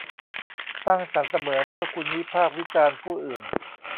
สร้างสรรค์เสมอเมื่อคุณวิพากษ์วิจารณ์ผู้อื่น